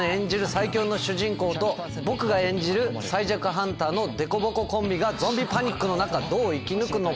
最強の主人公と僕が演じる最弱ハンターの凸凹コンビがゾンビパニックの中どう生き抜くのか？